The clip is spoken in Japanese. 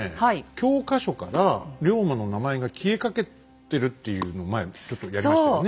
教科書から龍馬の名前が消えかけてるっていうのを前ちょっとやりましたよね。